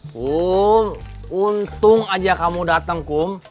kuh untung aja kamu datang kum